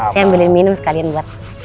saya ambil minum sekalian buat